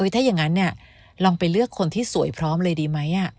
ถ้าอย่างนั้นลองไปเลือกคนที่สวยพร้อมเลยดีไหม